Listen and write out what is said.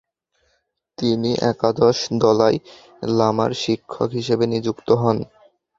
তিনি একাদশ দলাই লামার শিক্ষক হিসেবে নিযুক্ত হন।